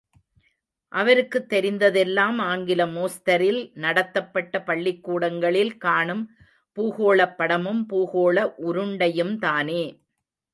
அவருக்குத் தெரிந்ததெல்லாம் ஆங்கில மோஸ்தரில் நடத்தப்பட்ட பள்ளிக்கூடங்களில் காணும் பூகோளப் படமும் பூகோள உருண்டையும் தானே!